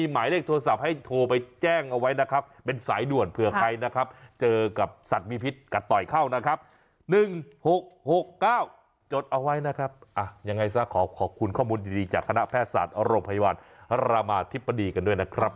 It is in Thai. หกหกเก้าจดเอาไว้นะครับอ่ะยังไงซะขอขอบคุณข้อมูลดีดีจากคณะแพทย์ศาสตร์โรงพยาบาลรามาธิบดีกันด้วยนะครับ